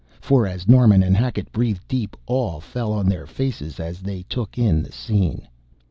For as Norman and Hackett breathed deep, awe fell on their faces as they took in the scene.